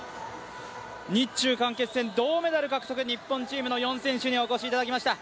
日中韓決戦、銅メダル獲得日本チームの４選手にお越しいただきました。